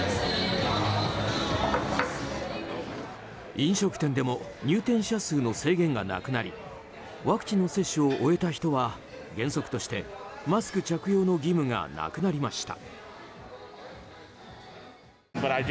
飲食店でも入店者数の制限がなくなりワクチンの接種を終えた人は原則としてマスク着用の義務がなくなりました。